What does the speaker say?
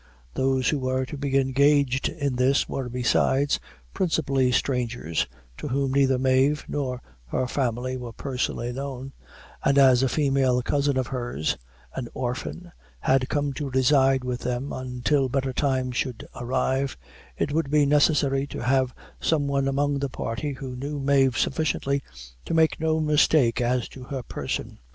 Those who were to be engaged in this were, besides, principally strangers, to whom neither Mave nor her family were personally known; and as a female cousin of hers an orphan had come to reside with them until better times should arrive, it would be necessary to have some one among the party who knew Mave sufficiently to make no mistake as to her person.